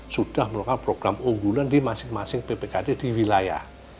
sudah melakukan program unggulan di masing masing bpkd di wilayah